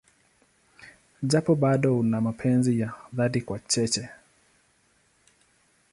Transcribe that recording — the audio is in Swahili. Japo bado ana mapenzi ya dhati kwa Cheche.